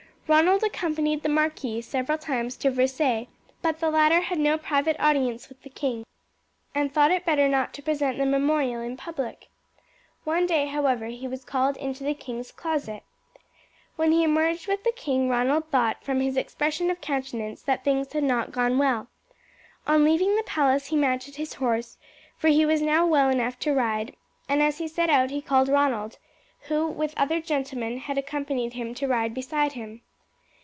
Ronald accompanied the marquis several times to Versailles, but the latter had no private audience with the king, and thought it better not to present the memorial in public. One day, however, he was called into the king's closet. When he emerged with the king, Ronald thought from his expression of countenance that things had not gone well. On leaving the palace he mounted his horse for he was now well enough to ride and as he set out he called Ronald, who with other gentlemen had accompanied him to ride beside him.